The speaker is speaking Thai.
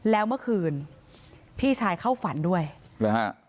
แล้วเมื่อคืนพี่ชายเข้าฝันด้วยเหรอฮะ